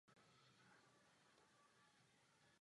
Svého času o ní říkali, že je to krok zpátky.